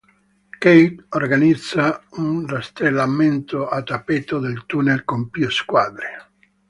Kate organizza un rastrellamento a tappeto dei tunnel con più squadre.